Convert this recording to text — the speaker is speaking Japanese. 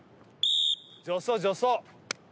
助走助走。